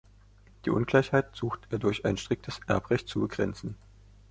Die Ungleichheit suchte er durch ein striktes Erbrecht zu begrenzen.